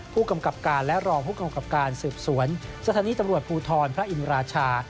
ผู้กำกับการและรองผู้กำกับการสืบสวนสถานีตำรวจภูทรพระอินราชา